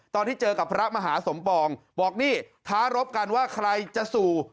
ตอนที่เจอกับพระมหาสมปองบอกนี่ท้ารบกันว่าใครจะสู่